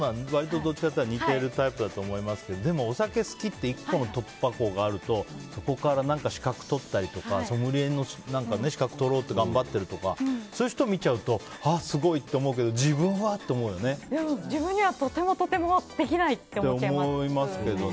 どっちかっていったら似てるタイプだと思いますけどでも、お酒好きって１個の突破口があるとそこから資格を取ったりとかソムリエの資格を取ろうと頑張ってるとかそういう人を見ちゃうとすごい！って思うけど自分にはとてもとてもできないって思っちゃいます。